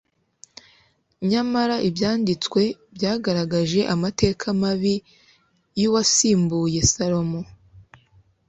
nyamara ibyanditswe byagaragaje amateka mabi y'uwasimbuye salomo